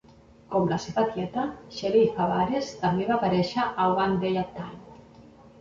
Com la seva tieta, Shelley Fabares també va aparèixer a "One Day at a Time".